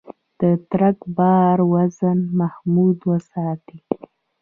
د ټرک بار وزن محدود وساتئ.